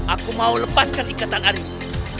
aku mau lepaskan ikatan arif